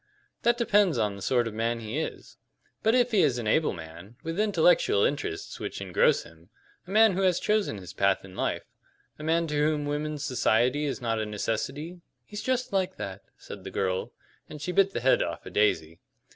"That depends on the sort of man he is. But if he is an able man, with intellectual interests which engross him a man who has chosen his path in life a man to whom women's society is not a necessity " "He's just like that," said the girl, and she bit the head off a daisy.